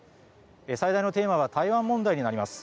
最大のテーマは台湾問題になります。